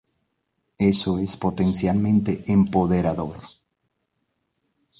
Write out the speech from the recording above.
Eso es potencialmente empoderador